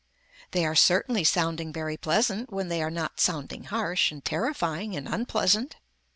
They are certainly sounding very pleasant when they are not sounding harsh and terrifying and unpleasant.